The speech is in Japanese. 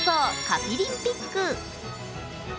カピリンピック。